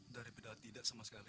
dari beda tidak sama sekali